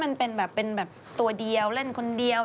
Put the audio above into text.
มันเป็นแบบเป็นแบบตัวเดียวเล่นคนเดียว